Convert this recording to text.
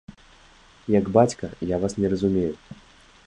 Як бацька, я вас не разумею.